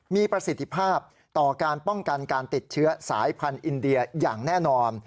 มีประสิทธิภาพต่อการป้องกันการติดเชื้อสายพันธุ์อินเดียอย่างแน่นอน